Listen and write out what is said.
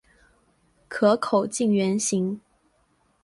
壳口近圆形。